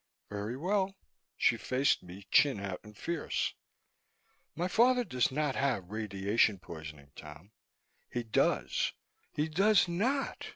"Very well." She faced me, chin out and fierce. "My father does not have radiation poisoning, Tom." "He does." "He does not!